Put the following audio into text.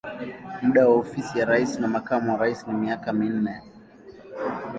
Muda wa ofisi ya rais na makamu wa rais ni miaka minne.